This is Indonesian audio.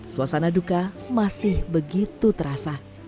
suasana duka masih begitu terasa